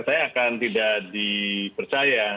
saya akan tidak dipercaya